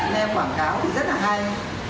nghe quảng cáo thì rất là hay